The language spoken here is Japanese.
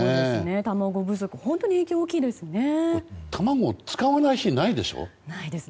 卵不足本当に影響大きいですね。